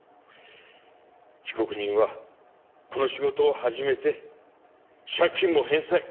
被告人はこの仕事を始めて借金も返済。